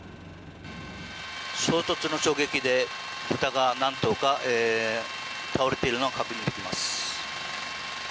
衝突の衝撃で豚が何頭か倒れているのが確認できます。